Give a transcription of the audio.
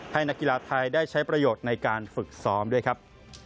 นักกีฬาไทยได้ใช้ประโยชน์ในการฝึกซ้อมด้วยครับ